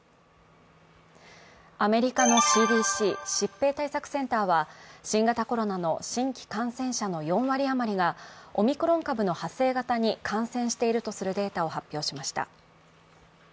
アメリカのＣＤＣ＝疾病対策センターは新型コロナの新規感染者の４割余りがオミクロン株の派生型に感染しているとするデータを発表しました。